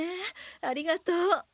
ありがとう。